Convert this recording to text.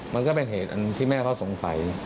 มันก็เป็นเหตุอันที่แม่เขาสงสัย